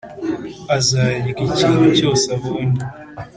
azarya ikintu cyose abonye!